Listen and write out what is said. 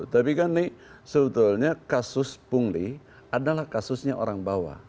tapi kan ini sebetulnya kasus pungli adalah kasusnya orang bawah